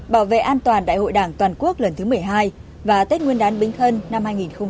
bảo vệ an toàn đại hội đảng toàn quốc lần thứ một mươi hai và tết nguyên án bính thân năm hai nghìn một mươi sáu